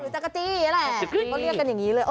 หรือจักกะจี้แหละเขาเรียกกันอย่างนี้เลย